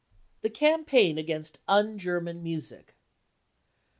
The Campaign against " un German 55 Music.